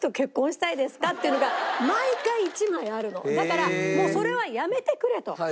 だからもうそれはやめてくれと。